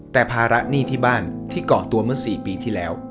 แต่ภาระหนี้ที่บ้านที่เกาะตัวเมื่อ๔ปีที่แล้ว